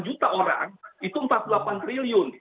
sembilan puluh enam delapan juta orang itu empat puluh delapan triliun